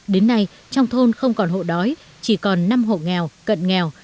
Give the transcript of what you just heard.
đến nay trong thôn không còn hộ đói chỉ còn năm hộ nghèo cận nghèo